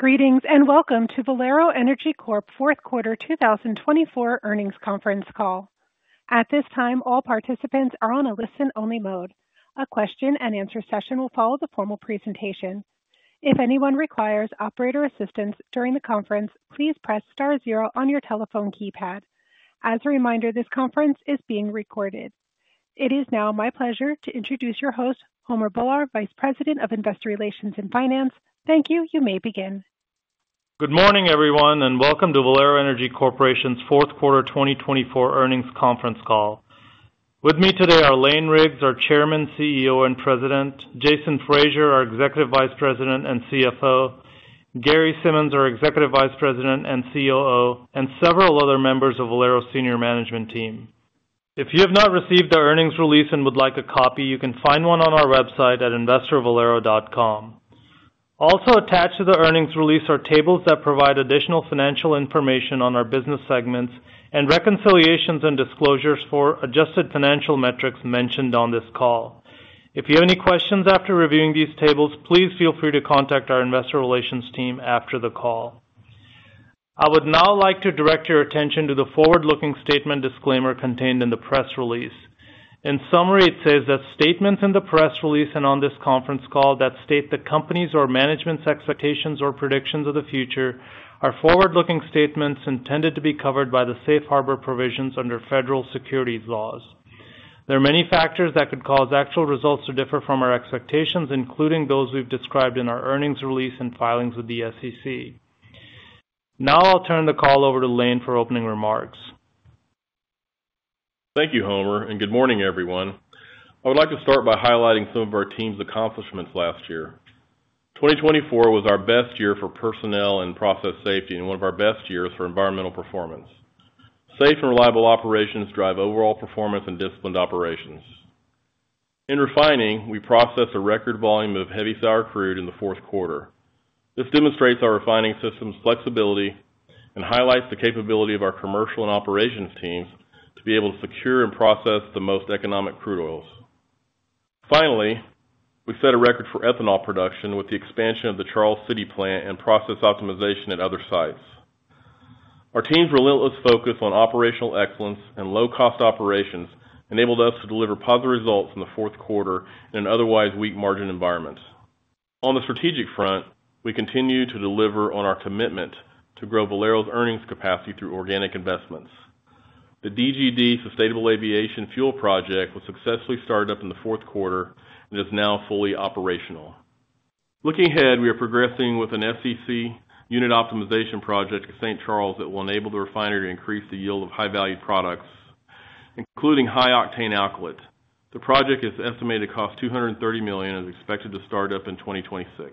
Greetings and welcome to Valero Energy Corp Q4 2024 Earnings Conference Call. At this time, all participants are on a listen-only mode. A question-and-answer session will follow the formal presentation. If anyone requires operator assistance during the conference, please press star zero on your telephone keypad. As a reminder, this conference is being recorded. It is now my pleasure to introduce your host, Homer Bhullar, Vice President of Investor Relations and Finance. Thank you. You may begin. Good morning, everyone, and welcome to Valero Energy Corporation's Q4 2024 Earnings Conference Call. With me today are Lane Riggs, our Chairman, CEO, and President; Jason Fraser, our Executive Vice President and CFO; Gary Simmons, our Executive Vice President and COO; and several other members of Valero's senior management team. If you have not received the earnings release and would like a copy, you can find one on our website at investor.valero.com. Also attached to the earnings release are tables that provide additional financial information on our business segments and reconciliations and disclosures for adjusted financial metrics mentioned on this call. If you have any questions after reviewing these tables, please feel free to contact our investor relations team after the call. I would now like to direct your attention to the forward-looking statement disclaimer contained in the press release. In summary, it says that statements in the press release and on this conference call that state the company's or management's expectations or predictions of the future are forward-looking statements intended to be covered by the safe harbor provisions under federal securities laws. There are many factors that could cause actual results to differ from our expectations, including those we've described in our earnings release and filings with the SEC. Now I'll turn the call over to Lane for opening remarks. Thank you, Homer, and good morning, everyone. I would like to start by highlighting some of our team's accomplishments last year. 2024 was our best year for personnel and process safety and one of our best years for environmental performance. Safe and reliable operations drive overall performance and disciplined operations. In refining, we processed a record volume of heavy sour crude in the fourth quarter. This demonstrates our refining system's flexibility and highlights the capability of our commercial and operations teams to be able to secure and process the most economic crude oils. Finally, we set a record for ethanol production with the expansion of the Charles City plant and process optimization at other sites. Our team's relentless focus on operational excellence and low-cost operations enabled us to deliver positive results in the fourth quarter in an otherwise weak margin environment. On the strategic front, we continue to deliver on our commitment to grow Valero's earnings capacity through organic investments. The DGD Sustainable Aviation Fuel Project was successfully started up in the fourth quarter and is now fully operational. Looking ahead, we are progressing with a coker unit optimization project at St. Charles that will enable the refinery to increase the yield of high-value products, including high-octane alkylate. The project is estimated to cost $230 million and is expected to start up in 2026.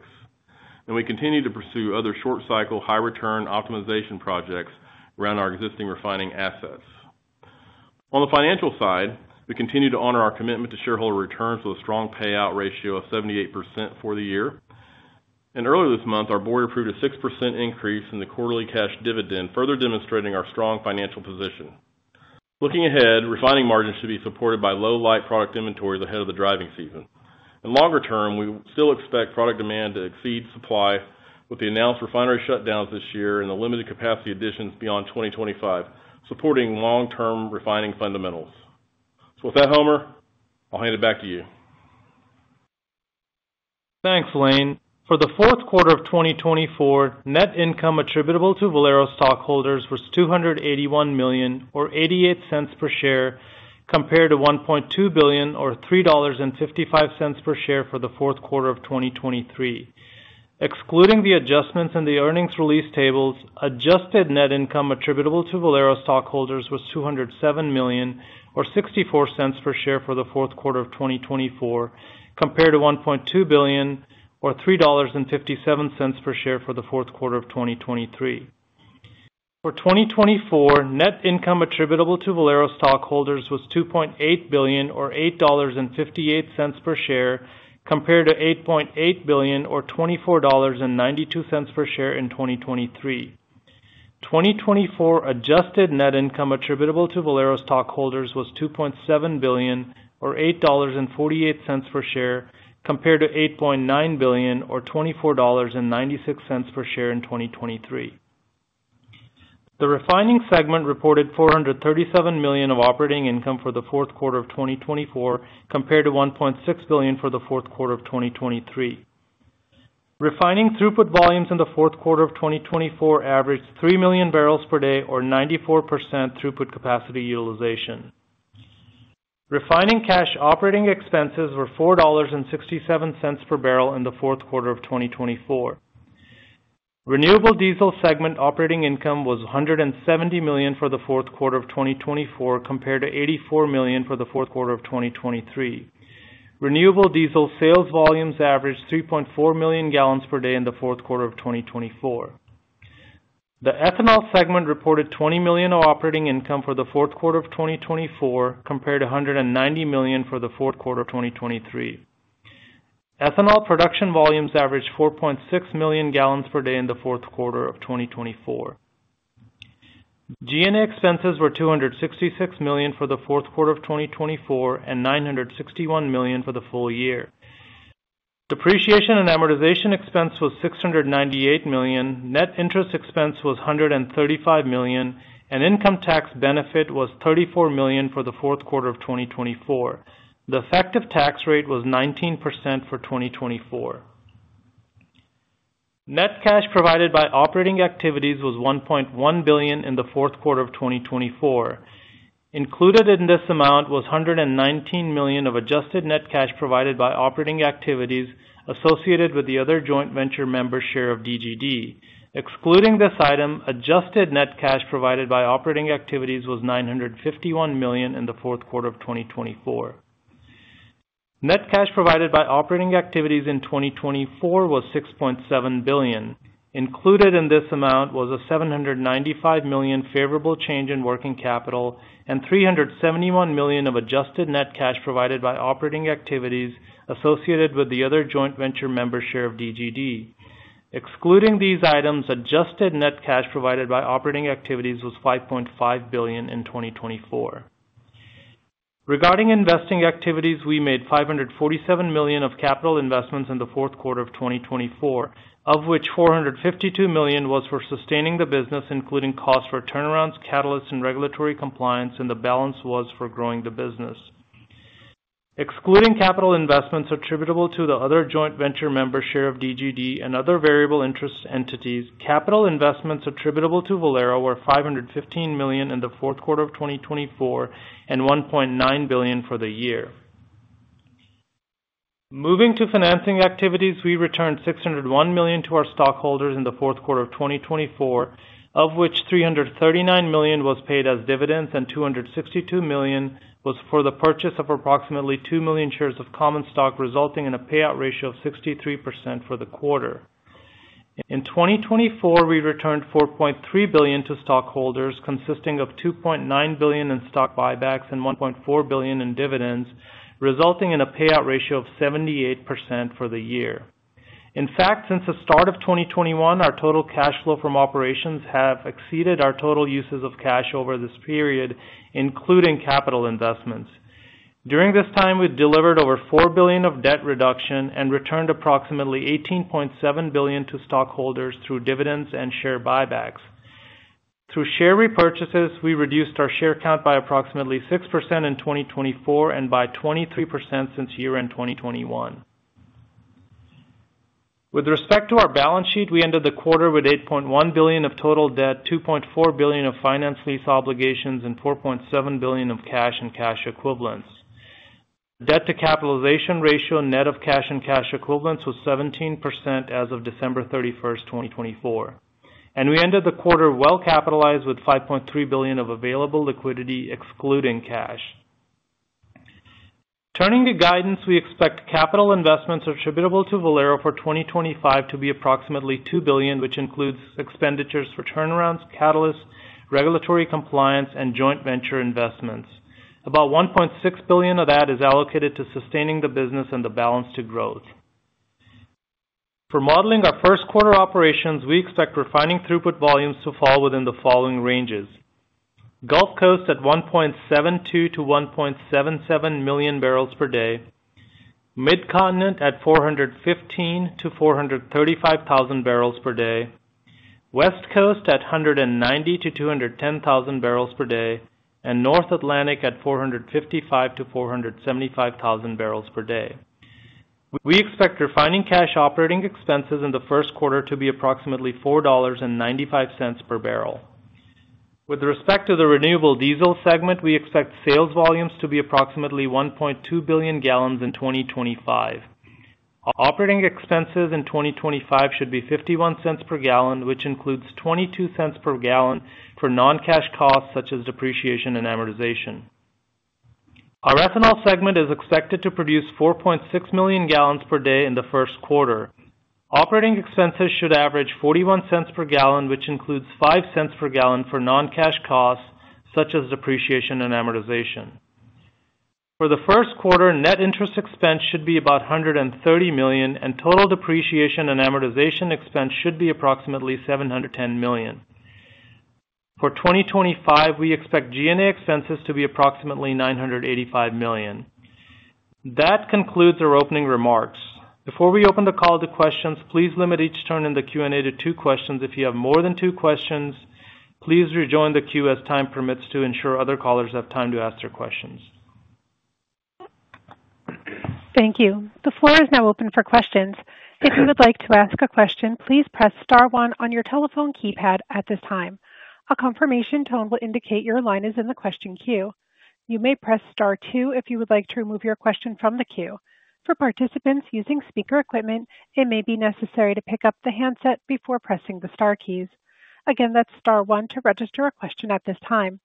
We continue to pursue other short-cycle, high-return optimization projects around our existing refining assets. On the financial side, we continue to honor our commitment to shareholder returns with a strong payout ratio of 78% for the year. Earlier this month, our board approved a 6% increase in the quarterly cash dividend, further demonstrating our strong financial position. Looking ahead, refining margins should be supported by low-light product inventories ahead of the driving season. In longer term, we still expect product demand to exceed supply with the announced refinery shutdowns this year and the limited capacity additions beyond 2025, supporting long-term refining fundamentals. So with that, Homer, I'll hand it back to you. Thanks, Lane. For the fourth quarter of 2024, net income attributable to Valero stockholders was $281 million, or $0.88 per share, compared to $1.2 billion, or $3.55 per share for the fourth quarter of 2023. Excluding the adjustments in the earnings release tables, adjusted net income attributable to Valero stockholders was $207 million, or $0.64 per share for the fourth quarter of 2024, compared to $1.2 billion, or $3.57 per share for the fourth quarter of 2023. For 2024, net income attributable to Valero stockholders was $2.8 billion, or $8.58 per share, compared to $8.8 billion, or $24.92 per share in 2023. 2024 adjusted net income attributable to Valero stockholders was $2.7 billion, or $8.48 per share, compared to $8.9 billion, or $24.96 per share in 2023. The refining segment reported $437 million of operating income for the fourth quarter of 2024, compared to $1.6 billion for the fourth quarter of 2023. Refining throughput volumes in the fourth quarter of 2024 averaged 3 million barrels per day, or 94% throughput capacity utilization. Refining cash operating expenses were $4.67 per barrel in the Q4 of 2024. Renewable diesel segment operating income was $170 million for the Q4 of 2024, compared to $84 million for the Q4 of 2023. Renewable diesel sales volumes averaged 3.4 million gallons per day in the Q4 of 2024. The ethanol segment reported $20 million of operating income for the fourth quarter of 2024, compared to $190 million for the fourth quarter of 2023. Ethanol production volumes averaged 4.6 million gallons per day in the fourth quarter of 2024. G&A expenses were $266 million for the Q4 of 2024 and $961 million for the full year. Depreciation and amortization expense was $698 million, net interest expense was $135 million, and income tax benefit was $34 million for the fourth quarter of 2024. The effective tax rate was 19% for 2024. Net cash provided by operating activities was $1.1 billion in the fourth quarter of 2024. Included in this amount was $119 million of adjusted net cash provided by operating activities associated with the other joint venture member share of DGD. Excluding this item, adjusted net cash provided by operating activities was $951 million in the fourth quarter of 2024. Net cash provided by operating activities in 2024 was $6.7 billion. Included in this amount was a $795 million favorable change in working capital and $371 million of adjusted net cash provided by operating activities associated with the other joint venture member share of DGD. Excluding these items, adjusted net cash provided by operating activities was $5.5 billion in 2024. Regarding investing activities, we made $547 million of capital investments in the fourth quarter of 2024, of which $452 million was for sustaining the business, including costs for turnarounds, catalysts, and regulatory compliance, and the balance was for growing the business. Excluding capital investments attributable to the other joint venture member share of DGD and other variable interest entities, capital investments attributable to Valero were $515 million in the fourth quarter of 2024 and $1.9 billion for the year. Moving to financing activities, we returned $601 million to our stockholders in the fourth quarter of 2024, of which $339 million was paid as dividends and $262 million was for the purchase of approximately two million shares of common stock, resulting in a payout ratio of 63% for the quarter. In 2024, we returned $4.3 billion to stockholders, consisting of $2.9 billion in stock buybacks and $1.4 billion in dividends, resulting in a payout ratio of 78% for the year. In fact, since the start of 2021, our total cash flow from operations has exceeded our total uses of cash over this period, including capital investments. During this time, we delivered over $4 billion of debt reduction and returned approximately $18.7 billion to stockholders through dividends and share buybacks. Through share repurchases, we reduced our share count by approximately 6% in 2024 and by 23% since year-end 2021. With respect to our balance sheet, we ended the quarter with $8.1 billion of total debt, $2.4 billion of finance lease obligations, and $4.7 billion of cash and cash equivalents. Debt-to-capitalization ratio net of cash and cash equivalents was 17% as of December 31, 2024, and we ended the quarter well-capitalized with $5.3 billion of available liquidity, excluding cash. Turning to guidance, we expect capital investments attributable to Valero for 2025 to be approximately $2 billion, which includes expenditures for turnarounds, catalysts, regulatory compliance, and joint venture investments. About $1.6 billion of that is allocated to sustaining the business and the balance to growth. For modeling our first quarter operations, we expect refining throughput volumes to fall within the following ranges: Gulf Coast at 1.72-1.77 million barrels per day; Midcontinent at 415,000-435,000 barrels per day; West Coast at 190,000-210,000 barrels per day; and North Atlantic at 455,000-475,000 barrels per day. We expect refining cash operating expenses in the first quarter to be approximately $4.95 per barrel. With respect to the renewable diesel segment, we expect sales volumes to be approximately $1.2 billion in 2025. Operating expenses in 2025 should be $0.51 per gallon, which includes $0.22 per gallon for non-cash costs such as depreciation and amortization. Our ethanol segment is expected to produce 4.6 million gallons per day in the first quarter. Operating expenses should average $0.41 per gallon, which includes $0.05 per gallon for non-cash costs such as depreciation and amortization. For the first quarter, net interest expense should be about $130 million, and total depreciation and amortization expense should be approximately $710 million. For 2025, we expect G&A expenses to be approximately $985 million. That concludes our opening remarks. Before we open the call to questions, please limit each turn in the Q&A to two questions. If you have more than two questions, please rejoin the queue as time permits to ensure other callers have time to ask their questions. Thank you. The floor is now open for questions. If you would like to ask a question, please press Star 1 on your telephone keypad at this time. A confirmation tone will indicate your line is in the question queue. You may press Star 2 if you would like to remove your question from the queue. For participants using speaker equipment, it may be necessary to pick up the handset before pressing the Star keys. Again, that's Star 1 to register a question at this time.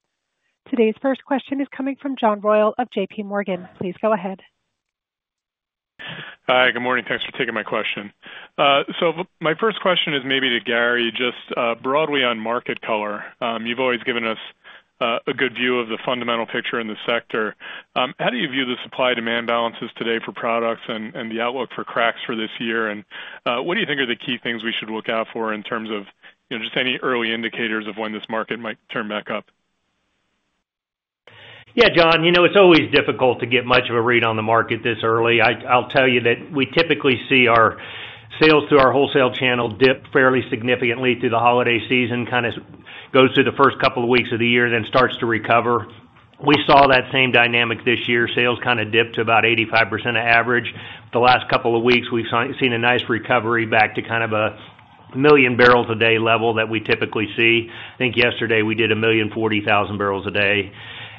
Today's first question is coming from John Royal of JPMorgan. Please go ahead. Hi, good morning. Thanks for taking my question. So my first question is maybe to Gary, just broadly on market color. You've always given us a good view of the fundamental picture in the sector. How do you view the supply-demand balances today for products and the outlook for cracks for this year? And what do you think are the key things we should look out for in terms of just any early indicators of when this market might turn back up? Yeah, John, you know it's always difficult to get much of a read on the market this early. I'll tell you that we typically see our sales through our wholesale channel dip fairly significantly through the holiday season, kind of goes through the first couple of weeks of the year, then starts to recover. We saw that same dynamic this year. Sales kind of dipped to about 85% of average. The last couple of weeks, we've seen a nice recovery back to kind of a million barrels a day level that we typically see. I think yesterday we did a million forty thousand barrels a day.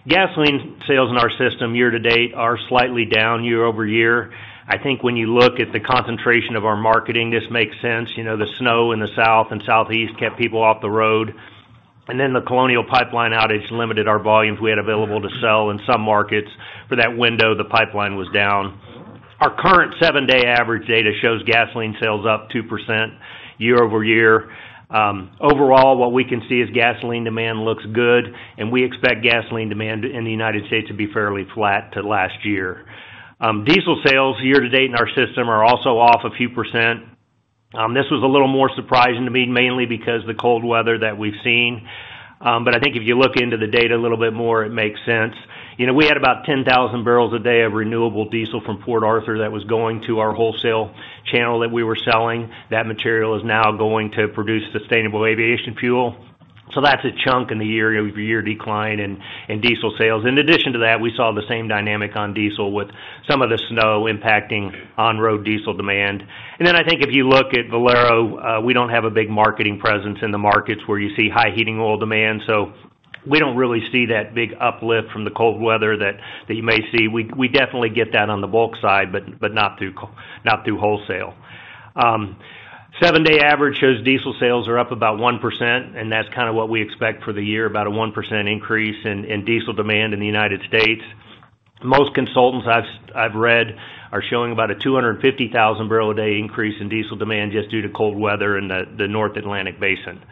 Gasoline sales in our system year-to-date are slightly down year over year. I think when you look at the concentration of our marketing, this makes sense. You know the snow in the south and southeast kept people off the road. And then the Colonial Pipeline outage limited our volumes we had available to sell in some markets. For that window, the pipeline was down. Our current seven-day average data shows gasoline sales up 2% year over year. Overall, what we can see is gasoline demand looks good, and we expect gasoline demand in the United States to be fairly flat to last year. Diesel sales year-to-date in our system are also off a few percent. This was a little more surprising to me, mainly because of the cold weather that we've seen. But I think if you look into the data a little bit more, it makes sense. You know we had about 10,000 barrels a day of Renewable Diesel from Port Arthur that was going to our wholesale channel that we were selling. That material is now going to produce Sustainable Aviation Fuel. That's a chunk in the year-over-year decline in diesel sales. In addition to that, we saw the same dynamic on diesel with some of the snow impacting on-road diesel demand. And then I think if you look at Valero, we don't have a big marketing presence in the markets where you see high heating oil demand. So we don't really see that big uplift from the cold weather that you may see. We definitely get that on the bulk side, but not through wholesale. Seven-day average shows diesel sales are up about 1%, and that's kind of what we expect for the year, about a 1% increase in diesel demand in the United States. Most consultants I've read are showing about a 250,000 barrels a day increase in diesel demand just due to cold weather in the North Atlantic Basin.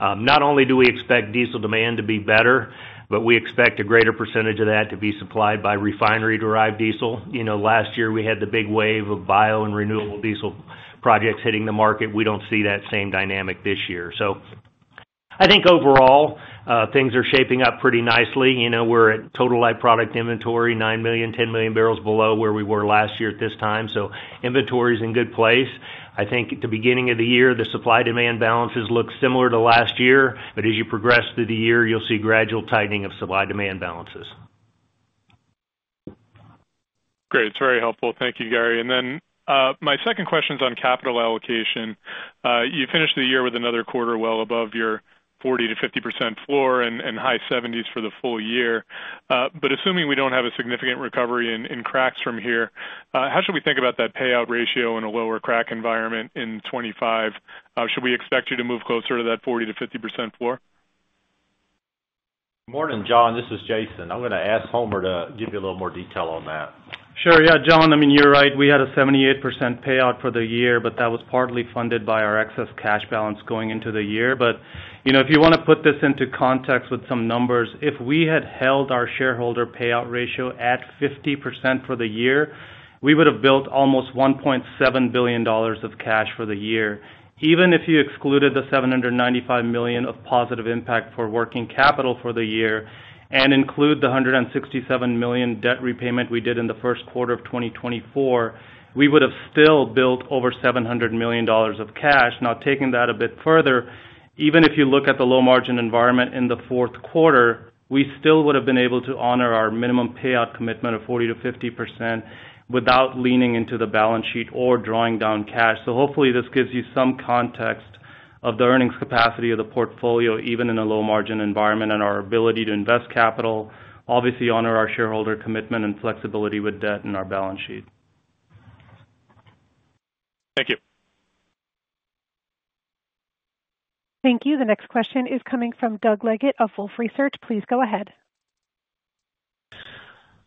Not only do we expect diesel demand to be better, but we expect a greater percentage of that to be supplied by refinery-derived diesel. You know last year we had the big wave of bio and renewable diesel projects hitting the market. We don't see that same dynamic this year. So I think overall, things are shaping up pretty nicely. You know we're at total refined product inventory, 9 million-10 million barrels below where we were last year at this time. So inventory is in good place. I think at the beginning of the year, the supply-demand balances look similar to last year, but as you progress through the year, you'll see gradual tightening of supply-demand balances. Great. It's very helpful. Thank you, Gary. And then my second question is on capital allocation. You finished the year with another quarter well above your 40%-50% floor and high 70s% for the full year. But assuming we don't have a significant recovery in cracks from here, how should we think about that payout ratio in a lower crack environment in 2025? Should we expect you to move closer to that 40%-50% floor? Morning, John, this is Jason. I'm going to ask Homer to give you a little more detail on that. Sure. Yeah, John, I mean, you're right. We had a 78% payout for the year, but that was partly funded by our excess cash balance going into the year, but you know if you want to put this into context with some numbers, if we had held our shareholder payout ratio at 50% for the year, we would have built almost $1.7 billion of cash for the year. Even if you excluded the $795 million of positive impact for working capital for the year and include the $167 million debt repayment we did in the first quarter of 2024, we would have still built over $700 million of cash. Now, taking that a bit further, even if you look at the low-margin environment in the fourth quarter, we still would have been able to honor our minimum payout commitment of 40%-50% without leaning into the balance sheet or drawing down cash. So hopefully this gives you some context of the earnings capacity of the portfolio, even in a low-margin environment, and our ability to invest capital, obviously honor our shareholder commitment and flexibility with debt in our balance sheet. Thank you. Thank you. The next question is coming from Doug Leggett of Wolfe Research. Please go ahead.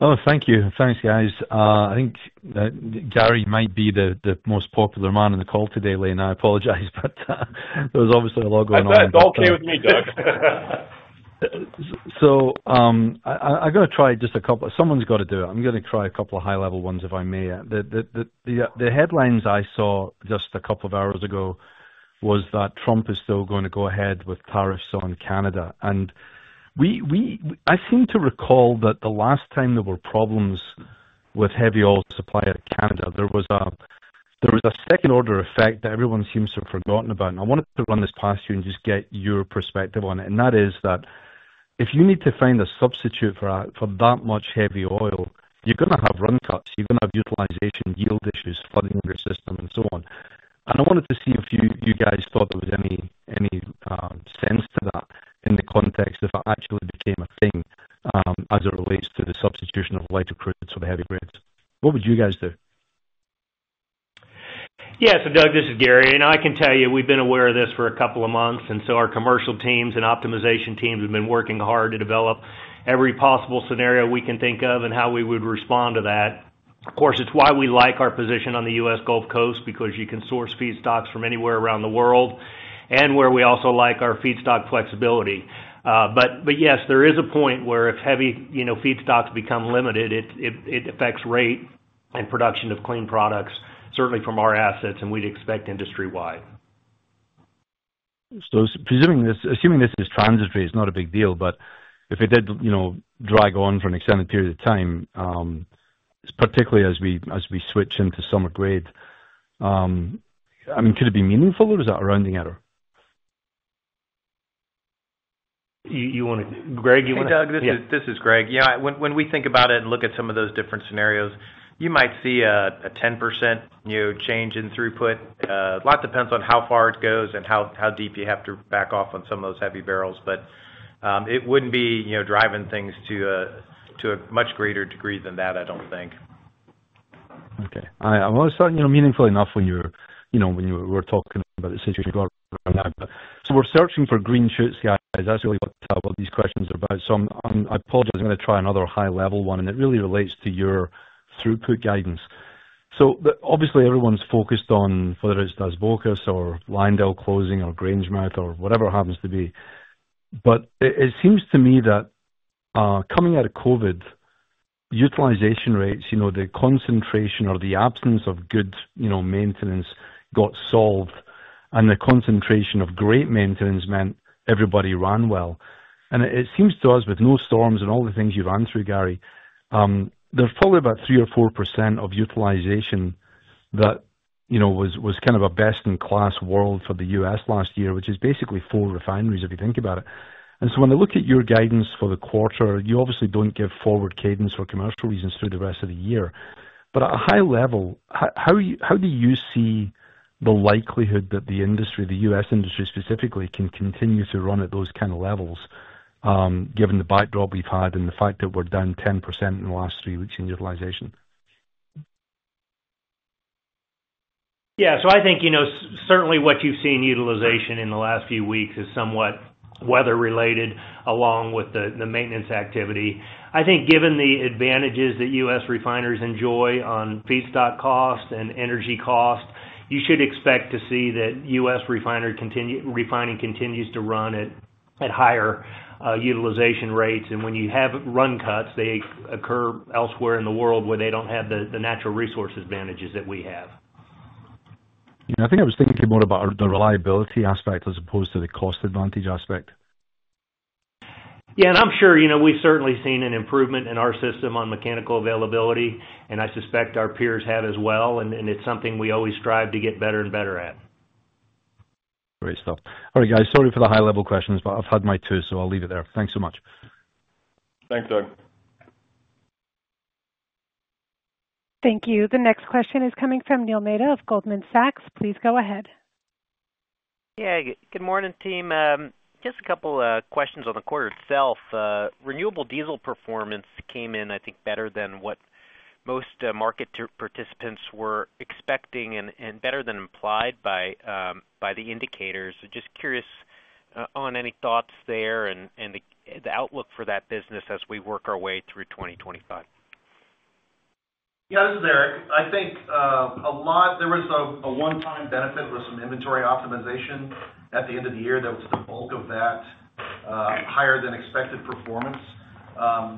Oh, thank you. Thanks, guys. I think Gary might be the most popular man on the call today, Lane. I apologize, but there was obviously a lot going on. Doug, all okay with me, Doug? So, I'm going to try just a couple of. Someone's got to do it. I'm going to try a couple of high-level ones, if I may. The headlines I saw just a couple of hours ago was that Trump is still going to go ahead with tariffs on Canada. And I seem to recall that the last time there were problems with heavy oil supply from Canada, there was a second-order effect that everyone seems to have forgotten about. And I wanted to run this past you and just get your perspective on it. And that is that if you need to find a substitute for that much heavy oil, you're going to have run cuts, you're going to have utilization yield issues, flooding of your system, and so on. I wanted to see if you guys thought there was any sense to that in the context if it actually became a thing as it relates to the substitution of lighter crudes for the heavy crudes. What would you guys do? Yeah, so Doug, this is Gary, and I can tell you we've been aware of this for a couple of months, and so our commercial teams and optimization teams have been working hard to develop every possible scenario we can think of and how we would respond to that. Of course, it's why we like our position on the U.S. Gulf Coast, because you can source feedstocks from anywhere around the world, and where we also like our feedstock flexibility, but yes, there is a point where if heavy feedstocks become limited, it affects rate and production of clean products, certainly from our assets, and we'd expect industry-wide. Assuming this is transitory, it's not a big deal, but if it did drag on for an extended period of time, particularly as we switch into summer grade, I mean, could it be meaningful, or is that a rounding error? You want to, Greg. Hey, Doug, this is Greg. Yeah, when we think about it and look at some of those different scenarios, you might see a 10% change in throughput. A lot depends on how far it goes and how deep you have to back off on some of those heavy barrels. But it wouldn't be driving things to a much greater degree than that, I don't think. Okay. That was meaningful enough when you were talking about the situation you're going to run out. But we're searching for green shoots, guys. That's really what these questions are about. So I apologize. I'm going to try another high-level one, and it really relates to your throughput guidance. So obviously, everyone's focused on whether it's Dos Bocas or Lyondell closing or Grangemouth or whatever it happens to be. But it seems to me that coming out of COVID, utilization rates, you know the concentration or the absence of good maintenance got solved, and the concentration of great maintenance meant everybody ran well. And it seems to us, with no storms and all the things you've run through, Gary, there's probably about 3% or 4% of utilization that was kind of a best-in-class world for the U.S. last year, which is basically four refineries, if you think about it. And so when I look at your guidance for the quarter, you obviously don't give forward cadence for commercial reasons through the rest of the year. But at a high level, how do you see the likelihood that the industry, the U.S. industry specifically, can continue to run at those kind of levels, given the backdrop we've had and the fact that we're down 10% in the last three weeks in utilization? Yeah, so I think you know certainly what you've seen utilization in the last few weeks is somewhat weather-related, along with the maintenance activity. I think given the advantages that U.S. refiners enjoy on feedstock cost and energy cost, you should expect to see that U.S. refining continues to run at higher utilization rates. And when you have run cuts, they occur elsewhere in the world where they don't have the natural resource advantages that we have. You know, I think I was thinking more about the reliability aspect as opposed to the cost advantage aspect. Yeah, and I'm sure you know we've certainly seen an improvement in our system on mechanical availability, and I suspect our peers have as well, and it's something we always strive to get better and better at. Great stuff. All right, guys, sorry for the high-level questions, but I've had my two, so I'll leave it there. Thanks so much. Thanks, Doug. Thank you. The next question is coming from Neil Mehta of Goldman Sachs. Please go ahead. Yeah, good morning, team. Just a couple of questions on the quarter itself. Renewable diesel performance came in, I think, better than what most market participants were expecting and better than implied by the indicators. Just curious on any thoughts there and the outlook for that business as we work our way through 2025. Yeah, this is Eric. I think a lot there was a one-time benefit with some inventory optimization at the end of the year that was the bulk of that higher-than-expected performance.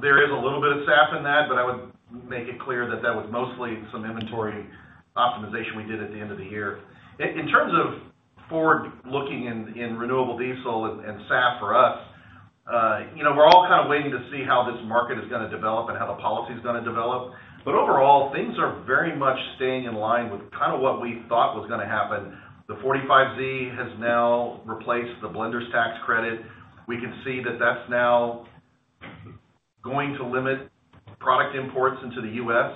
There is a little bit of SAF in that, but I would make it clear that that was mostly some inventory optimization we did at the end of the year. In terms of forward-looking in renewable diesel and SAF for us, you know we're all kind of waiting to see how this market is going to develop and how the policy is going to develop. But overall, things are very much staying in line with kind of what we thought was going to happen. The 45Z has now replaced the blender's tax credit. We can see that that's now going to limit product imports into the U.S.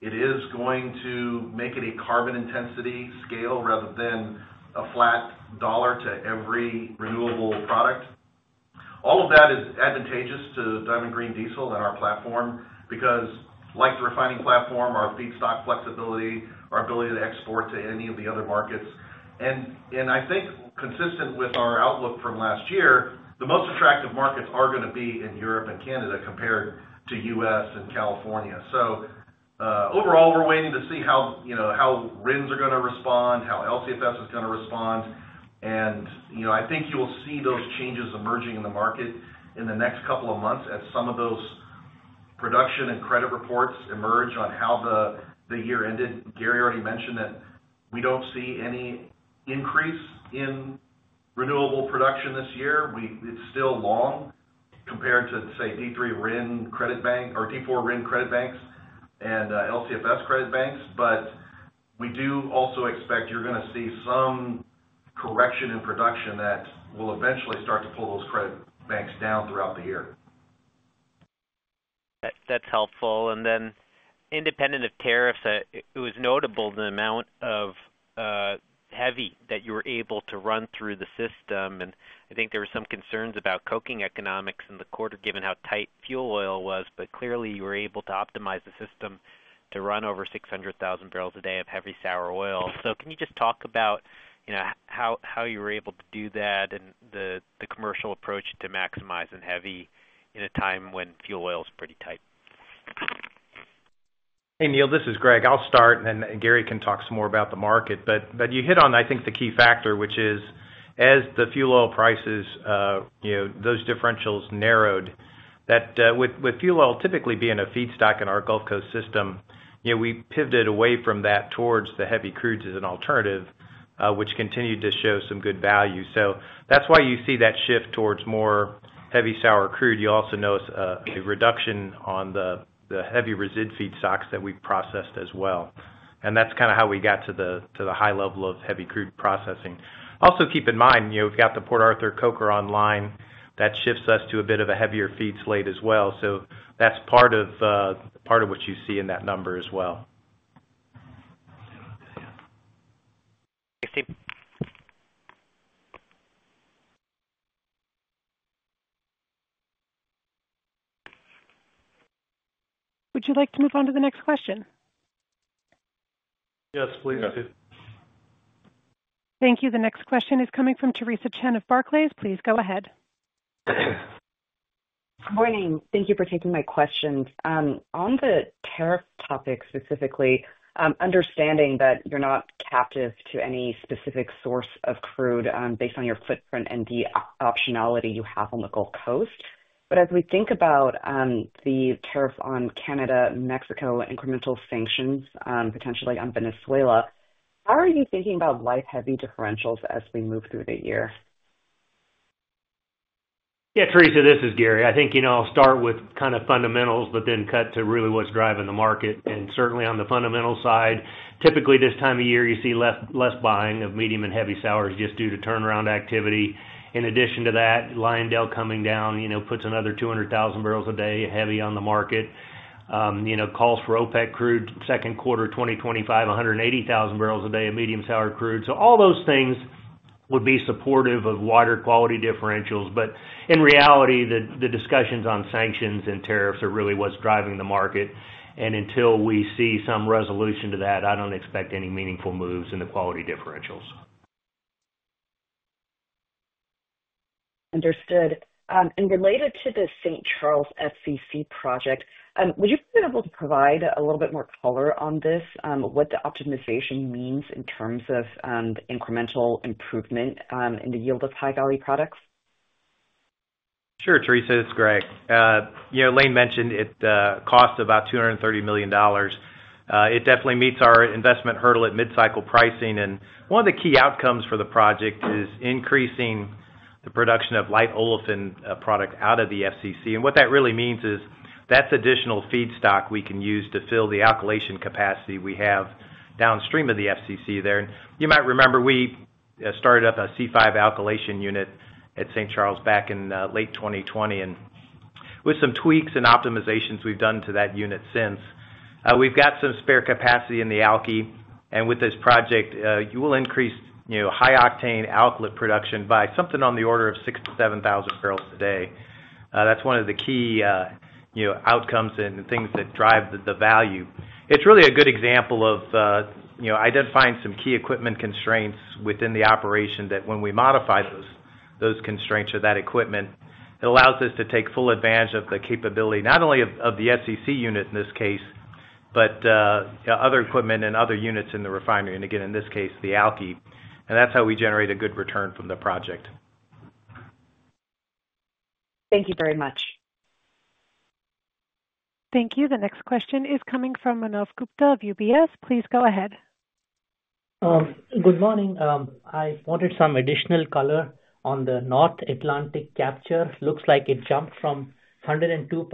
It is going to make it a carbon intensity scale rather than a flat dollar to every renewable product. All of that is advantageous to Diamond Green Diesel and our platform because, like the refining platform, our feedstock flexibility, our ability to export to any of the other markets, and I think, consistent with our outlook from last year, the most attractive markets are going to be in Europe and Canada compared to U.S. and California, so overall, we're waiting to see how RINs are going to respond, how LCFS is going to respond, and you know I think you will see those changes emerging in the market in the next couple of months as some of those production and credit reports emerge on how the year ended. Gary already mentioned that we don't see any increase in renewable production this year. It's still long compared to, say, D3 RIN Credit Bank or D4 RIN Credit Banks and LCFS Credit Banks. But we do also expect you're going to see some correction in production that will eventually start to pull those credit banks down throughout the year. That's helpful. And then independent of tariffs, it was notable the amount of heavy that you were able to run through the system. And I think there were some concerns about coking economics in the quarter, given how tight fuel oil was. But clearly, you were able to optimize the system to run over 600,000 barrels a day of heavy sour oil. So can you just talk about how you were able to do that and the commercial approach to maximizing heavy in a time when fuel oil is pretty tight? Hey, Neil, this is Greg. I'll start, and then Gary can talk some more about the market. But you hit on, I think, the key factor, which is as the fuel oil prices, those differentials narrowed, that with fuel oil typically being a feedstock in our Gulf Coast system, we pivoted away from that towards the heavy crudes as an alternative, which continued to show some good value. So that's why you see that shift towards more heavy sour crude. You also notice a reduction on the heavy resid feedstocks that we processed as well. And that's kind of how we got to the high level of heavy crude processing. Also, keep in mind, we've got the Port Arthur Coker online. That shifts us to a bit of a heavier feed slate as well. So that's part of what you see in that number as well. Thanks, team. Would you like to move on to the next question? Yes, please. Thank you. The next question is coming from Theresa Chen of Barclays. Please go ahead. Good morning. Thank you for taking my questions. On the tariff topic specifically, understanding that you're not captive to any specific source of crude based on your footprint and the optionality you have on the Gulf Coast. But as we think about the tariffs on Canada, Mexico, incremental sanctions, potentially on Venezuela, how are you thinking about light heavy differentials as we move through the year? Yeah, Teresa, this is Gary. I think you know I'll start with kind of fundamentals, but then cut to really what's driving the market. And certainly on the fundamental side, typically this time of year, you see less buying of medium and heavy sours just due to turnaround activity. In addition to that, Lyondell coming down puts another 200,000 barrels a day heavy on the market. Calls for OPEC crude second quarter 2025, 180,000 barrels a day of medium sour crude. So all those things would be supportive of wider quality differentials. But in reality, the discussions on sanctions and tariffs are really what's driving the market. And until we see some resolution to that, I don't expect any meaningful moves in the quality differentials. Understood. And related to the St. Charles FCC project, would you be able to provide a little bit more color on this, what the optimization means in terms of incremental improvement in the yield of high-value products? Sure, Teresa, it's Greg. You know Lane mentioned it costs about $230 million. It definitely meets our investment hurdle at mid-cycle pricing. And one of the key outcomes for the project is increasing the production of light olefin product out of the FCC. And what that really means is that's additional feedstock we can use to fill the alkylation capacity we have downstream of the FCC there. And you might remember we started up a C5 alkylation unit at St. Charles back in late 2020. And with some tweaks and optimizations we've done to that unit since, we've got some spare capacity in the alky. And with this project, you will increase high-octane alkylate production by something on the order of 6,000-7,000 barrels a day. That's one of the key outcomes and things that drive the value. It's really a good example of identifying some key equipment constraints within the operation that when we modify those constraints or that equipment, it allows us to take full advantage of the capability, not only of the FCC unit in this case, but other equipment and other units in the refinery, and again, in this case, the alky, and that's how we generate a good return from the project. Thank you very much. Thank you. The next question is coming from Manav Gupta of UBS. Please go ahead. Good morning. I wanted some additional color on the North Atlantic capture. Looks like it jumped from 102%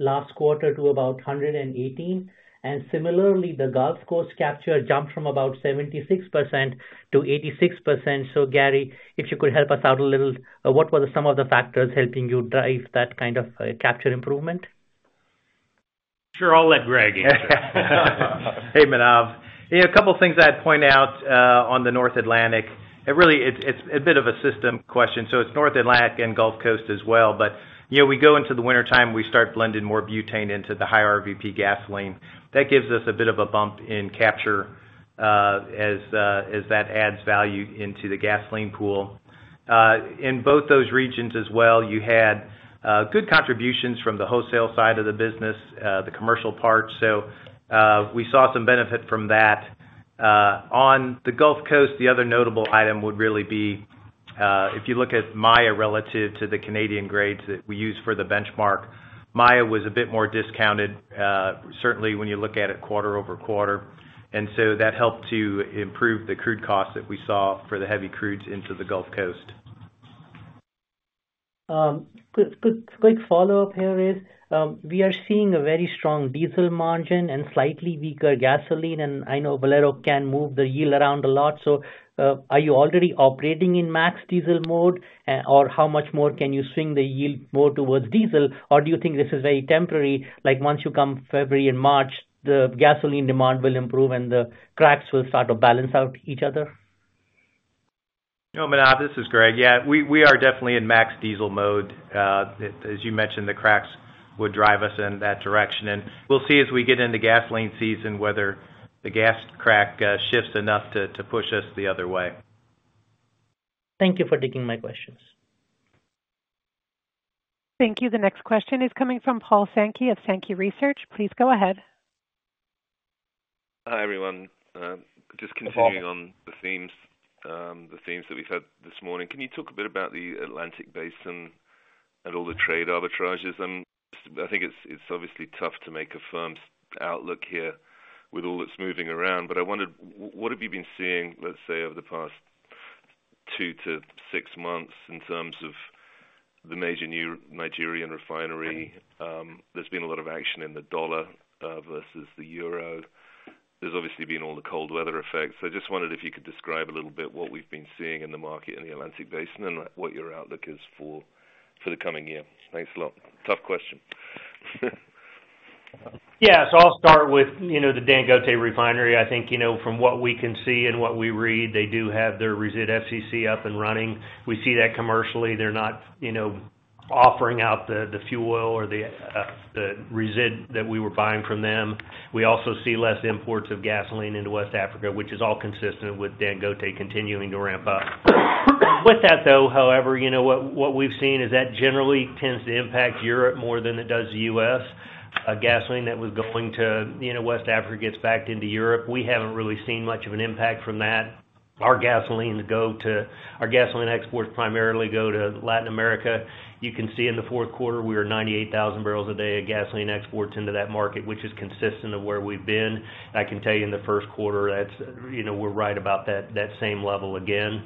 last quarter to about 118%. And similarly, the Gulf Coast capture jumped from about 76% to 86%. So Gary, if you could help us out a little, what were some of the factors helping you drive that kind of capture improvement? Sure, I'll let Greg answer. Hey, Manav. A couple of things I'd point out on the North Atlantic. It really is a bit of a system question. It is North Atlantic and Gulf Coast as well. But we go into the wintertime, we start blending more butane into the high RVP gasoline. That gives us a bit of a bump in capture as that adds value into the gasoline pool. In both those regions as well, you had good contributions from the wholesale side of the business, the commercial part. So we saw some benefit from that. On the Gulf Coast, the other notable item would really be, if you look at Maya relative to the Canadian grades that we use for the benchmark, Maya was a bit more discounted, certainly when you look at it quarter over quarter. And so that helped to improve the crude costs that we saw for the heavy crudes into the Gulf Coast. Quick follow-up here, Riggs. We are seeing a very strong diesel margin and slightly weaker gasoline. And I know Valero can move the yield around a lot. So are you already operating in max diesel mode, or how much more can you swing the yield more towards diesel, or do you think this is very temporary, like once you come February and March, the gasoline demand will improve and the cracks will start to balance out each other? No, Manav, this is Greg. Yeah, we are definitely in max diesel mode. As you mentioned, the cracks would drive us in that direction. And we'll see as we get into gasoline season whether the gas crack shifts enough to push us the other way. Thank you for taking my questions. Thank you. The next question is coming from Paul Sankey of Sankey Research. Please go ahead. Hi, everyone. Just continuing on the themes that we've had this morning. Can you talk a bit about the Atlantic Basin and all the trade arbitrages? I think it's obviously tough to make a firm outlook here with all that's moving around. But I wondered, what have you been seeing, let's say, over the past two to six months in terms of the major Nigerian refinery? There's been a lot of action in the dollar versus the euro. There's obviously been all the cold weather effects. So I just wondered if you could describe a little bit what we've been seeing in the market in the Atlantic Basin and what your outlook is for the coming year. Thanks a lot. Tough question. Yeah, so I'll start with the Dangote Refinery. I think from what we can see and what we read, they do have their resid FCC up and running. We see that commercially. They're not offering out the fuel oil or the resid that we were buying from them. We also see less imports of gasoline into West Africa, which is all consistent with Dangote continuing to ramp up. With that, though, however, you know what we've seen is that generally tends to impact Europe more than it does the U.S. Gasoline that was going to West Africa gets backed into Europe. We haven't really seen much of an impact from that. Our gasoline exports primarily go to Latin America. You can see in the fourth quarter, we were 98,000 barrels a day of gasoline exports into that market, which is consistent of where we've been. I can tell you in the first quarter, we're right about that same level again.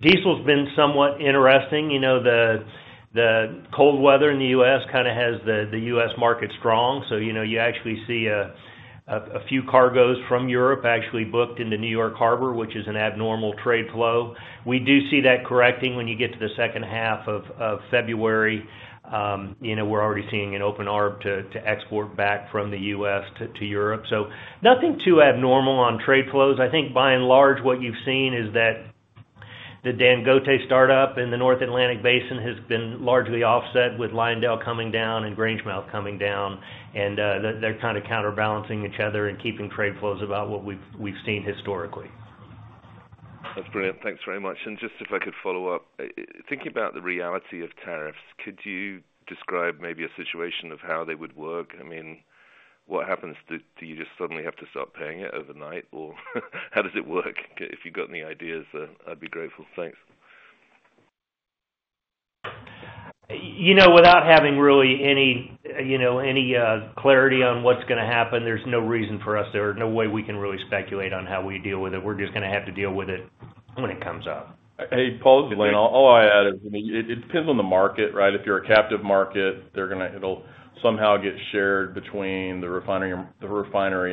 Diesel's been somewhat interesting. The cold weather in the U.S. kind of has the U.S. market strong. So you actually see a few cargoes from Europe actually booked into New York Harbor, which is an abnormal trade flow. We do see that correcting when you get to the second half of February. We're already seeing an open ARB to export back from the U.S. to Europe. So nothing too abnormal on trade flows. I think by and large, what you've seen is that the Dangote startup in the North Atlantic Basin has been largely offset with Lyondell coming down and Grangemouth coming down, and they're kind of counterbalancing each other and keeping trade flows about what we've seen historically. That's brilliant. Thanks very much. And just if I could follow up, thinking about the reality of tariffs, could you describe maybe a situation of how they would work? I mean, what happens? Do you just suddenly have to start paying it overnight? Or how does it work? If you've got any ideas, I'd be grateful. Thanks. You know, without having really any clarity on what's going to happen, there's no reason for us or no way we can really speculate on how we deal with it. We're just going to have to deal with it when it comes up. Hey, Paul, Lane, all I add is it depends on the market, right? If you're a captive market, it'll somehow get shared between the refinery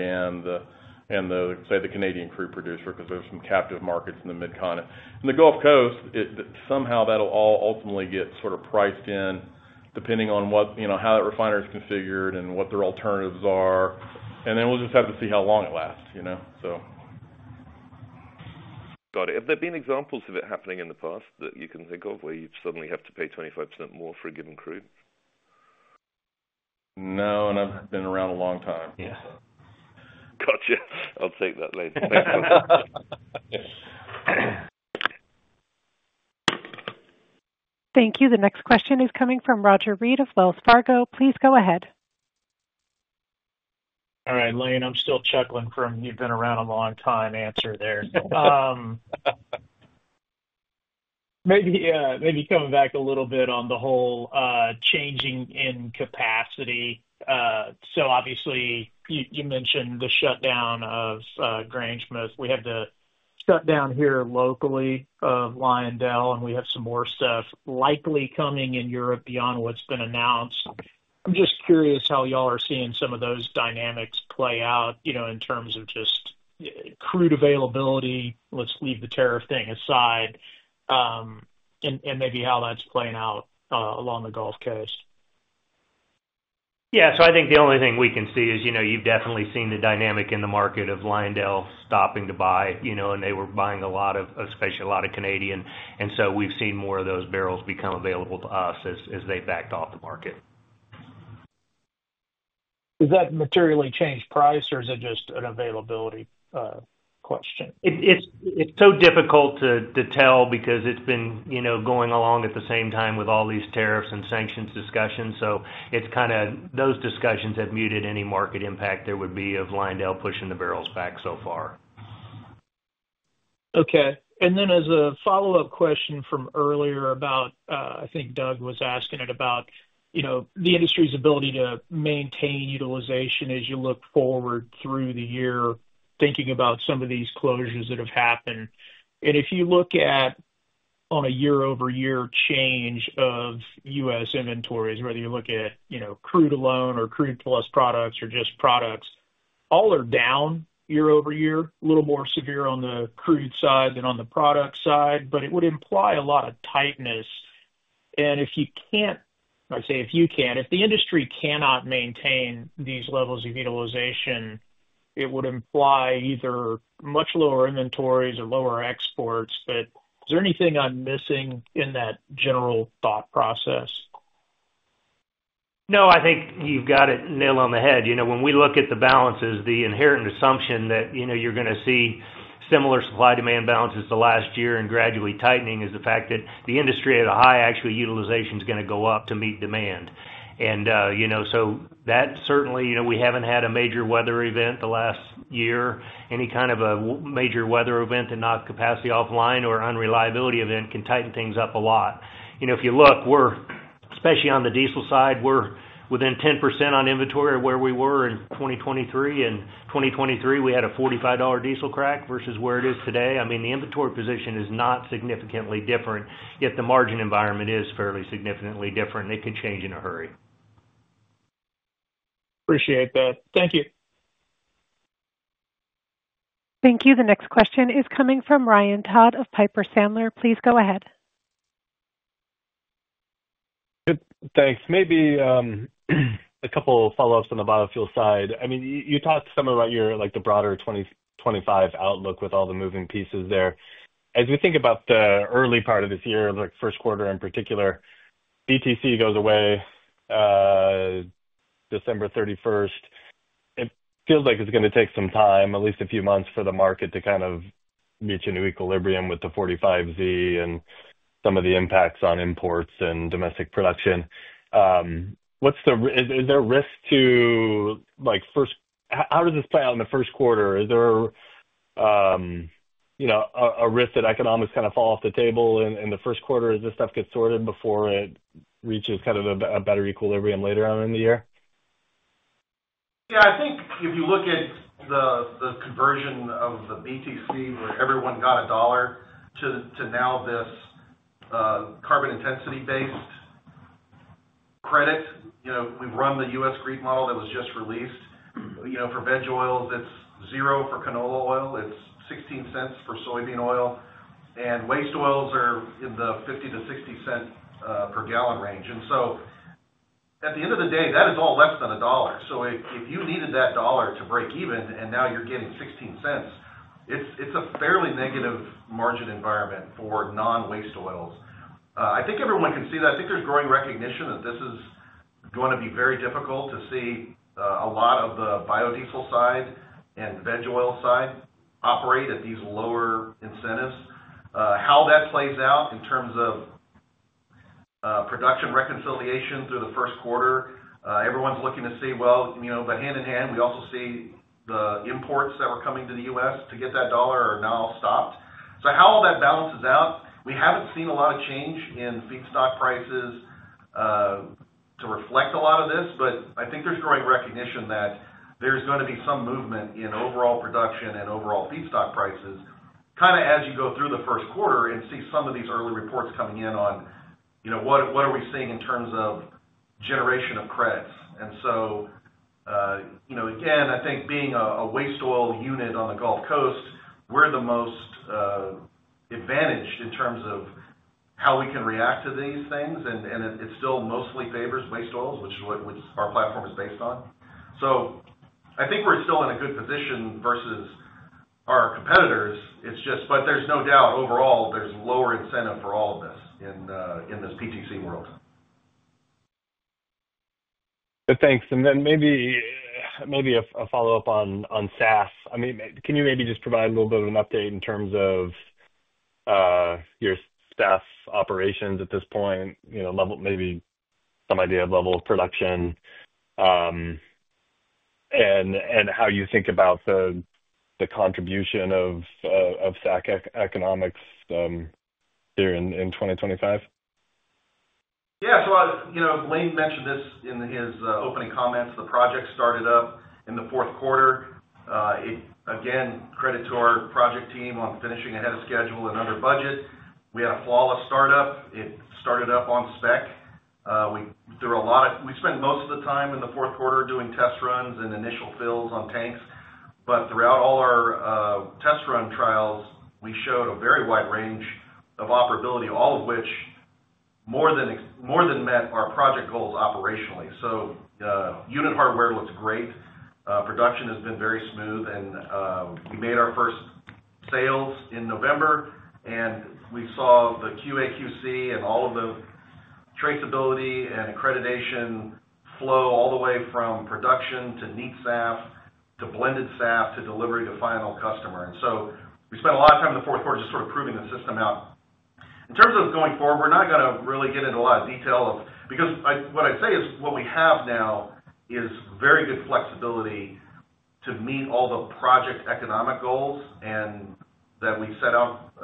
and the, say, the Canadian crude producer because there's some captive markets in the Midcontinent. In the Gulf Coast, somehow that'll all ultimately get sort of priced in depending on how that refinery is configured and what their alternatives are. And then we'll just have to see how long it lasts, you know? Got it. Have there been examples of it happening in the past that you can think of where you'd suddenly have to pay 25% more for a given crude? No, and I've been around a long time. Yeah. Gotcha. I'll take that, Lane. Thanks. Thank you. The next question is coming from Roger Read of Wells Fargo. Please go ahead. All right, Lane, I'm still chuckling from you've been around a long time answer there. Maybe coming back a little bit on the whole changing in capacity. So obviously, you mentioned the shutdown of Grangemouth. We have the shutdown here locally of Lyondell, and we have some more stuff likely coming in Europe beyond what's been announced. I'm just curious how y'all are seeing some of those dynamics play out in terms of just crude availability. Let's leave the tariff thing aside and maybe how that's playing out along the Gulf Coast. Yeah, so I think the only thing we can see is you've definitely seen the dynamic in the market of Lyondell stopping to buy. And they were buying a lot of, especially a lot of Canadian. And so we've seen more of those barrels become available to us as they backed off the market. Is that materially changed price, or is it just an availability question? It's so difficult to tell because it's been going along at the same time with all these tariffs and sanctions discussions, so it's kind of those discussions have muted any market impact there would be of Lyondell pushing the barrels back so far. Okay. And then as a follow-up question from earlier about, I think Doug was asking it about the industry's ability to maintain utilization as you look forward through the year, thinking about some of these closures that have happened. And if you look at on a year-over-year change of U.S. inventories, whether you look at crude alone or crude plus products or just products, all are down year-over-year, a little more severe on the crude side than on the product side, but it would imply a lot of tightness. And if you can't, I say if you can, if the industry cannot maintain these levels of utilization, it would imply either much lower inventories or lower exports. But is there anything I'm missing in that general thought process? No, I think you've got it nailed on the head. When we look at the balances, the inherent assumption that you're going to see similar supply-demand balances the last year and gradually tightening is the fact that the industry at a high actually utilization is going to go up to meet demand. And so that certainly, we haven't had a major weather event the last year. Any kind of a major weather event that knocks capacity offline or unreliability event can tighten things up a lot. If you look, especially on the diesel side, we're within 10% on inventory where we were in 2023. In 2023, we had a $45 diesel crack versus where it is today. I mean, the inventory position is not significantly different, yet the margin environment is fairly significantly different. It could change in a hurry. Appreciate that. Thank you. Thank you. The next question is coming from Ryan Todd of Piper Sandler. Please go ahead. Thanks. Maybe a couple of follow-ups on the biofuel side. I mean, you talked somewhat about your broader 2025 outlook with all the moving pieces there. As we think about the early part of this year, like first quarter in particular, BTC goes away December 31st. It feels like it's going to take some time, at least a few months for the market to kind of reach a new equilibrium with the 45Z and some of the impacts on imports and domestic production. Is there a risk to how does this play out in the first quarter? Is there a risk that economics kind of fall off the table in the first quarter as this stuff gets sorted before it reaches kind of a better equilibrium later on in the year? Yeah, I think if you look at the conversion of the BTC, where everyone got $1, to now this carbon-intensity-based credit. We've run the U.S. GREET model that was just released. For veg oils, it's zero for canola oil. It's $0.16 for soybean oil. And waste oils are in the $0.50-$0.60 per gallon range. And so at the end of the day, that is all less than $1. So if you needed that $1 to break even and now you're getting $0.16, it's a fairly negative margin environment for non-waste oils. I think everyone can see that. I think there's growing recognition that this is going to be very difficult to see a lot of the biodiesel side and veg oil side operate at these lower incentives. How that plays out in terms of production reconciliation through the first quarter, everyone's looking to see, well, but hand in hand, we also see the imports that were coming to the U.S. to get that dollar are now stopped. So how all that balances out? We haven't seen a lot of change in feedstock prices to reflect a lot of this, but I think there's growing recognition that there's going to be some movement in overall production and overall feedstock prices kind of as you go through the first quarter and see some of these early reports coming in on what are we seeing in terms of generation of credits. And so again, I think being a waste oil unit on the Gulf Coast, we're the most advantaged in terms of how we can react to these things. And it still mostly favors waste oils, which is what our platform is based on. So I think we're still in a good position versus our competitors. It's just, but there's no doubt overall, there's lower incentive for all of this in this PTC world. Thanks. And then maybe a follow-up on SAF. I mean, can you maybe just provide a little bit of an update in terms of your SAF operations at this point, maybe some idea of level of production and how you think about the contribution of SAF economics here in 2025? Yeah. So Lane mentioned this in his opening comments. The project started up in the fourth quarter. Again, credit to our project team on finishing ahead of schedule and under budget. We had a flawless startup. It started up on spec. We spent most of the time in the fourth quarter doing test runs and initial fills on tanks. But throughout all our test run trials, we showed a very wide range of operability, all of which more than met our project goals operationally. So unit hardware looks great. Production has been very smooth. And we made our first sales in November. And we saw the QAQC and all of the traceability and accreditation flow all the way from production to neat SAF to blended SAF to delivery to final customer. And so we spent a lot of time in the fourth quarter just sort of proving the system out. In terms of going forward, we're not going to really get into a lot of detail of because what I'd say is what we have now is very good flexibility to meet all the project economic goals that we set out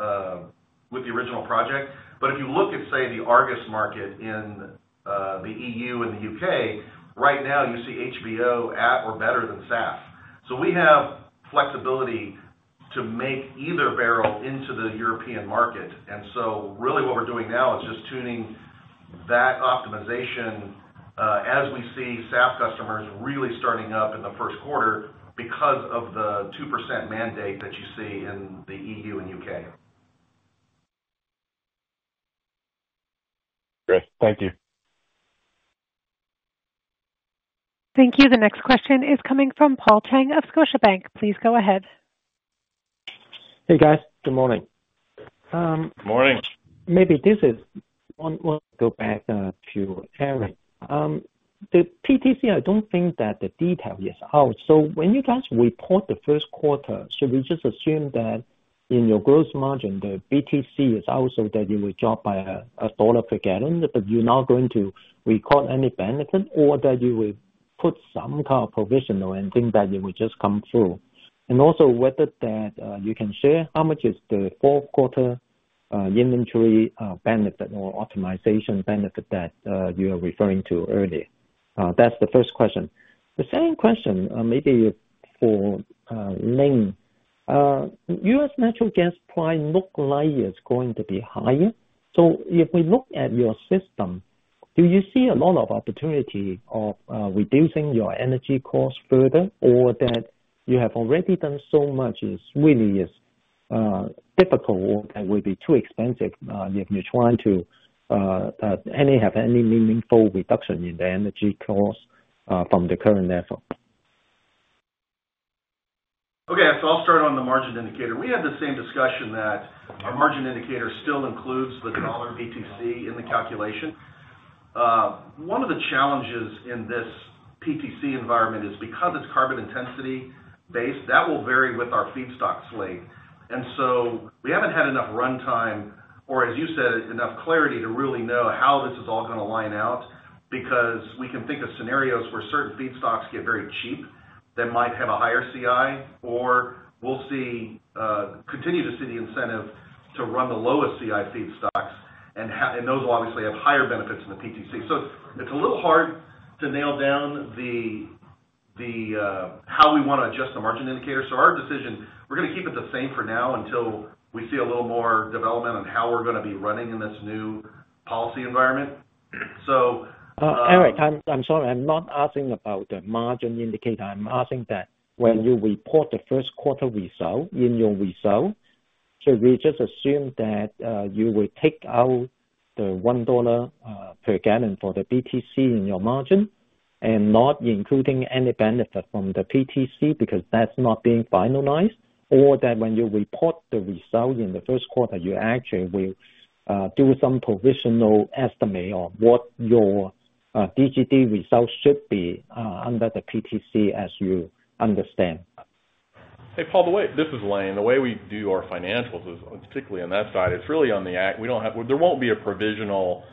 with the original project. But if you look at, say, the Argus market in the E.U. and the U.K., right now you see HVO at or better than SAF. So we have flexibility to make either barrel into the European market. And so really what we're doing now is just tuning that optimization as we see SAF customers really starting up in the first quarter because of the 2% mandate that you see in the E.U. and U.K. Great. Thank you. Thank you. The next question is coming from Paul Cheng of Scotiabank. Please go ahead. Hey, guys. Good morning. Good morning. Maybe this is one to go back to Eric. The PTC, I don't think that the detail is out. So when you guys report the first quarter, should we just assume that in your gross margin, the BTC also that you will drop by $1 per gallon, that you're not going to record any benefit, or that you will put some kind of provisional and think that it will just come through? And also whether you can share how much is the fourth quarter inventory benefit or optimization benefit that you are referring to earlier. That's the first question. The second question, maybe for Lane, U.S. natural gas price looks like it's going to be higher. So, if we look at your system, do you see a lot of opportunity of reducing your energy cost further, or that you have already done so much is really difficult, or that would be too expensive if you're trying to have any meaningful reduction in the energy cost from the current level? Okay. So I'll start on the margin indicator. We had the same discussion that our margin indicator still includes the dollar BTC in the calculation. One of the challenges in this PTC environment is because it's carbon-intensity-based, that will vary with our feedstock slate. And so we haven't had enough runtime or, as you said, enough clarity to really know how this is all going to line out because we can think of scenarios where certain feedstocks get very cheap that might have a higher CI, or we'll continue to see the incentive to run the lowest CI feedstocks, and those will obviously have higher benefits in the PTC. So it's a little hard to nail down how we want to adjust the margin indicator. Our decision, we're going to keep it the same for now until we see a little more development on how we're going to be running in this new policy environment. Lane, I'm sorry. I'm not asking about the margin indicator. I'm asking that when you report the first quarter result in your release, should we just assume that you will take out the $1 per gallon for the BTC in your margin and not including any benefit from the PTC because that's not being finalized, or that when you report the result for the first quarter, you actually will do some provisional estimate of what your DGD result should be under the PTC as you understand? Hey, Paul, this is Lane. The way we do our financials, particularly on that side, it's really on the there won't be a provisional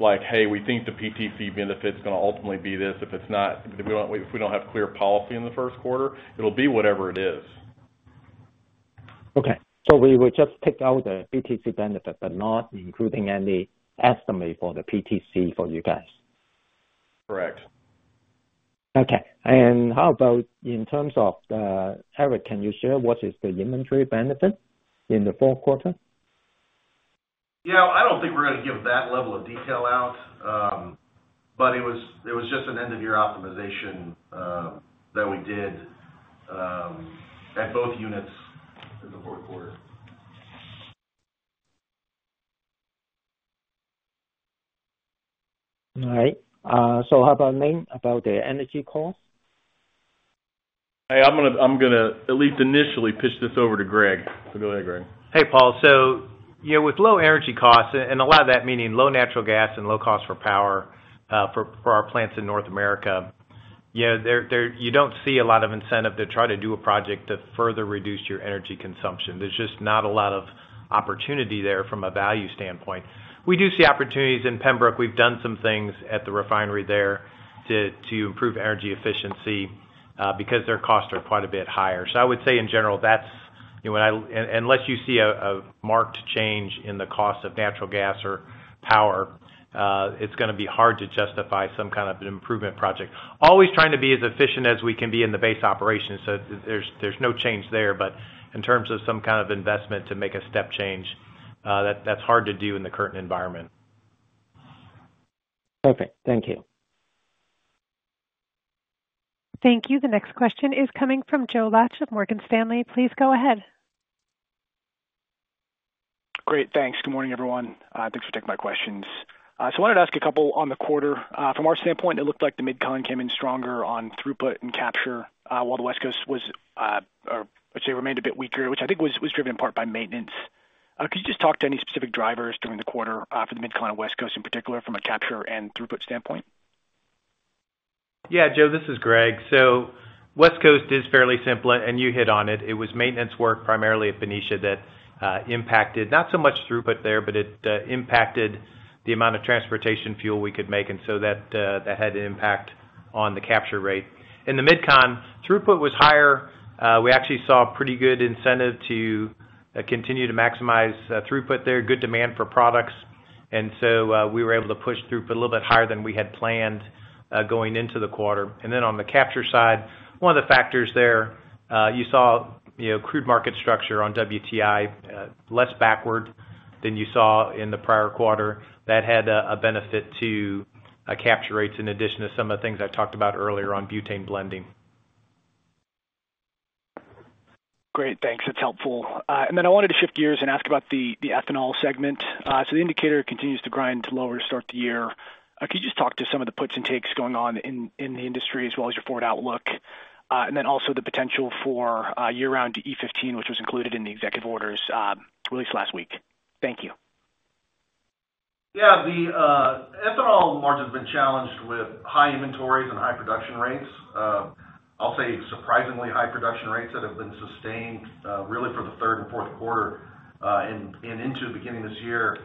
like, "Hey, we think the PTC benefit's going to ultimately be this." If we don't have clear policy in the first quarter, it'll be whatever it is. Okay. So we would just take out the BTC benefit, but not including any estimate for the PTC for you guys? Correct. Okay. And how about in terms of earnings, can you share what is the inventory benefit in the fourth quarter? Yeah. I don't think we're going to give that level of detail out, but it was just an end-of-year optimization that we did at both units in the fourth quarter. All right, so how about Lane about the energy cost? Hey, I'm going to at least initially pitch this over to Greg. So go ahead, Greg. Hey, Paul. So with low energy costs, and a lot of that meaning low natural gas and low cost for power for our plants in North America, you don't see a lot of incentive to try to do a project to further reduce your energy consumption. There's just not a lot of opportunity there from a value standpoint. We do see opportunities in Pembroke. We've done some things at the refinery there to improve energy efficiency because their costs are quite a bit higher. So I would say in general, unless you see a marked change in the cost of natural gas or power, it's going to be hard to justify some kind of an improvement project. Always trying to be as efficient as we can be in the base operation. So there's no change there. But in terms of some kind of investment to make a step change, that's hard to do in the current environment. Perfect. Thank you. Thank you. The next question is coming from Joe Laetsch of Morgan Stanley. Please go ahead. Great. Thanks. Good morning, everyone. Thanks for taking my questions. So I wanted to ask a couple on the quarter. From our standpoint, it looked like the Midcontinent came in stronger on throughput and capture while the West Coast was, I'd say, remained a bit weaker, which I think was driven in part by maintenance. Could you just talk to any specific drivers during the quarter for the Midcontinent West Coast in particular from a capture and throughput standpoint? Yeah, Joe, this is Greg. So West Coast is fairly simple, and you hit on it. It was maintenance work primarily at Benicia that impacted not so much throughput there, but it impacted the amount of transportation fuel we could make. And so that had an impact on the capture rate. In the Midcontinent, throughput was higher. We actually saw pretty good incentive to continue to maximize throughput there. Good demand for products. And so we were able to push throughput a little bit higher than we had planned going into the quarter. And then on the capture side, one of the factors there, you saw crude market structure on WTI less backward than you saw in the prior quarter. That had a benefit to capture rates in addition to some of the things I talked about earlier on butane blending. Great. Thanks. That's helpful. And then I wanted to shift gears and ask about the ethanol segment. So the indicator continues to grind lower to start the year. Could you just talk to some of the puts and takes going on in the industry as well as your forward outlook? And then also the potential for year-round E15, which was included in the executive orders released last week. Thank you. Yeah. The ethanol margin has been challenged with high inventories and high production rates. I'll say surprisingly high production rates that have been sustained really for the third and fourth quarter and into the beginning of this year.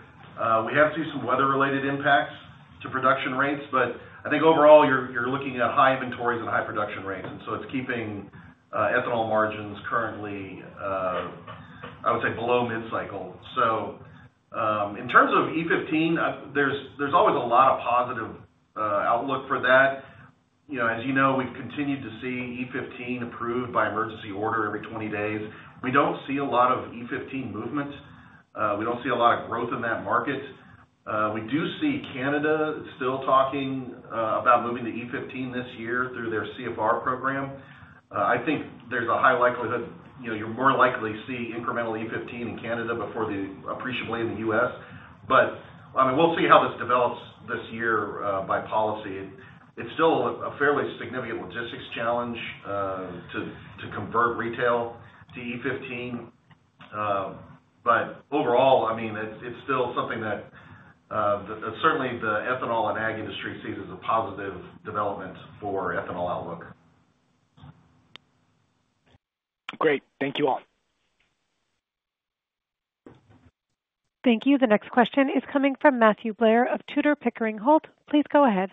We have seen some weather-related impacts to production rates, but I think overall you're looking at high inventories and high production rates. And so it's keeping ethanol margins currently, I would say, below mid-cycle. So in terms of E15, there's always a lot of positive outlook for that. As you know, we've continued to see E15 approved by emergency order every 20 days. We don't see a lot of E15 movement. We don't see a lot of growth in that market. We do see Canada still talking about moving to E15 this year through their CFR program. I think there's a high likelihood you're more likely to see incremental E15 in Canada before appreciably in the U.S. But I mean, we'll see how this develops this year by policy. It's still a fairly significant logistics challenge to convert retail to E15. But overall, I mean, it's still something that certainly the ethanol and ag industry sees as a positive development for ethanol outlook. Great. Thank you all. Thank you. The next question is coming from Matthew Blair of Tudor, Pickering, Holt & Co. Please go ahead.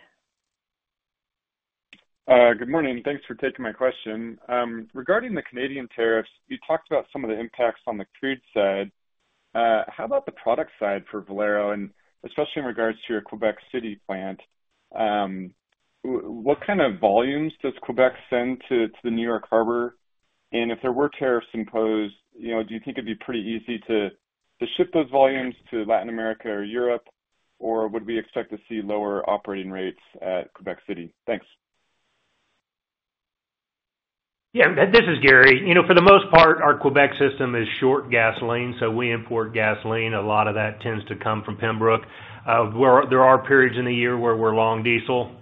Good morning. Thanks for taking my question. Regarding the Canadian tariffs, you talked about some of the impacts on the crude side. How about the product side for Valero, and especially in regards to your Quebec City plant? What kind of volumes does Quebec send to the New York Harbor? And if there were tariffs imposed, do you think it'd be pretty easy to ship those volumes to Latin America or Europe, or would we expect to see lower operating rates at Quebec City? Thanks. Yeah. This is Gary. For the most part, our Quebec system is short gasoline, so we import gasoline. A lot of that tends to come from Pembroke. There are periods in the year where we're long diesel,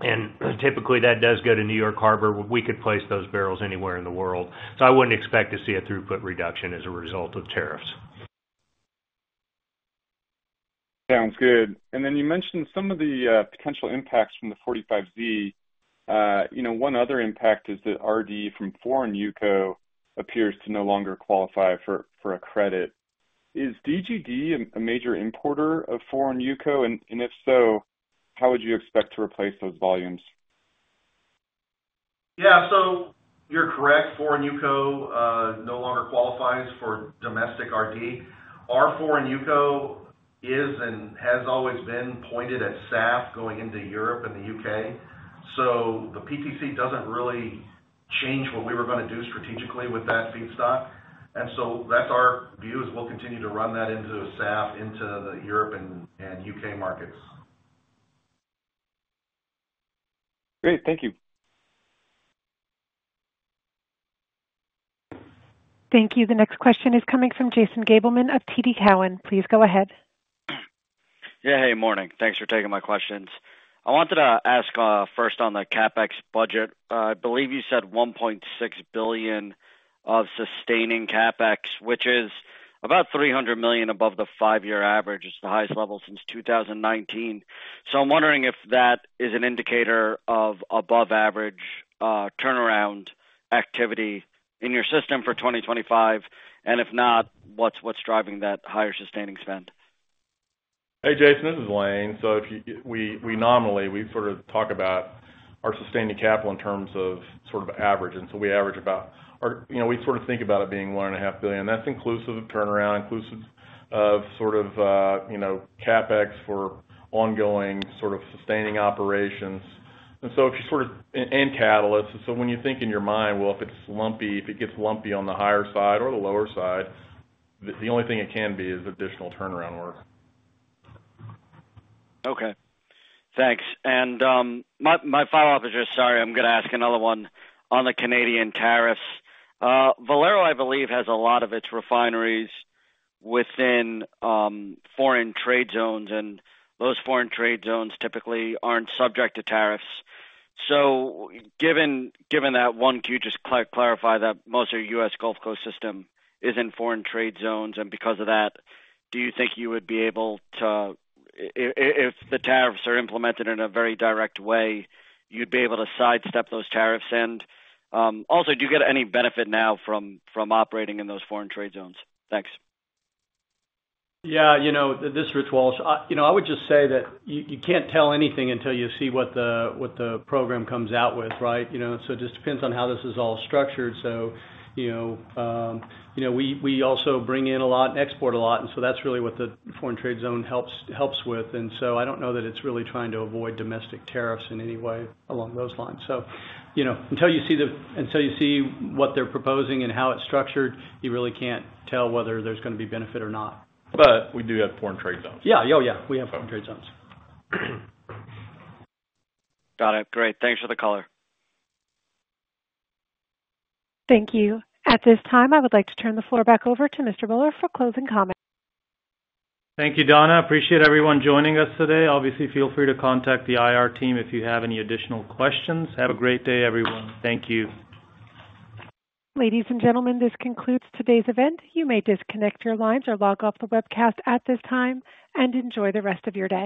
and typically that does go to New York Harbor. We could place those barrels anywhere in the world. So I wouldn't expect to see a throughput reduction as a result of tariffs. Sounds good. And then you mentioned some of the potential impacts from the 45Z. One other impact is that RD from foreign UCO appears to no longer qualify for a credit. Is DGD a major importer of foreign UCO? And if so, how would you expect to replace those volumes? Yeah. So you're correct. Foreign UCO no longer qualifies for domestic RD. Our foreign UCO is and has always been pointed at SAF going into Europe and the UK. So the PTC doesn't really change what we were going to do strategically with that feedstock. And so that's our view is we'll continue to run that into SAF, into the Europe and UK markets. Great. Thank you. Thank you. The next question is coming from Jason Gabelman of TD Cowen. Please go ahead. Yeah. Hey, morning. Thanks for taking my questions. I wanted to ask first on the CapEx budget. I believe you said $1.6 billion of sustaining CapEx, which is about $300 million above the five-year average. It's the highest level since 2019. So I'm wondering if that is an indicator of above-average turnaround activity in your system for 2025. And if not, what's driving that higher sustaining spend? Hey, Jason. This is Lane. So normally we sort of talk about our sustaining capital in terms of sort of average. And so we average about. We sort of think about it being $1.5 billion. That's inclusive of turnaround, inclusive of sort of CapEx for ongoing sort of sustaining operations. And so if you sort of and catalysts. And so when you think in your mind, well, if it's lumpy, if it gets lumpy on the higher side or the lower side, the only thing it can be is additional turnaround work. Okay. Thanks. And my follow-up is just sorry, I'm going to ask another one on the Canadian tariffs. Valero, I believe, has a lot of its refineries within foreign trade zones, and those foreign trade zones typically aren't subject to tariffs. So given that, one, can you just clarify that most of your U.S. Gulf Coast system is in foreign trade zones? And because of that, do you think you would be able to, if the tariffs are implemented in a very direct way, you'd be able to sidestep those tariffs? And also, do you get any benefit now from operating in those foreign trade zones? Thanks. Yeah. This is Rich Walsh. I would just say that you can't tell anything until you see what the program comes out with, right? So it just depends on how this is all structured. So we also bring in a lot and export a lot. And so that's really what the foreign trade zone helps with. And so I don't know that it's really trying to avoid domestic tariffs in any way along those lines. So until you see what they're proposing and how it's structured, you really can't tell whether there's going to be benefit or not. But we do have Foreign Trade Zones. Yeah. Oh, yeah. We have foreign trade zones. Got it. Great. Thanks for the caller. Thank you. At this time, I would like to turn the floor back over to Mr. Bhullar for closing comments. Thank you, Donna. Appreciate everyone joining us today. Obviously, feel free to contact the IR team if you have any additional questions. Have a great day, everyone. Thank you. Ladies and gentlemen, this concludes today's event. You may disconnect your lines or log off the webcast at this time and enjoy the rest of your day.